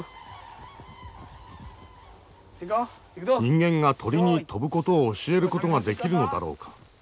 人間が鳥に飛ぶことを教えることができるのだろうか。